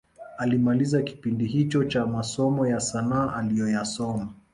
Alimaliza kipindi hicho cha masomo ya sanaa aliyoyasoma